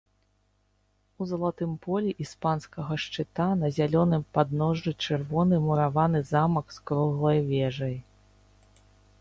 У залатым полі іспанскага шчыта на зялёным падножжы чырвоны мураваны замак з круглай вежай.